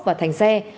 và thành xe